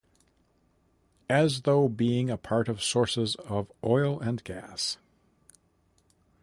And though being a part of sources of oil and gas.